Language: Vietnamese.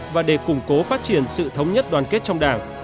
và để củng cố phát triển sự thống nhất đoàn kết trong đảng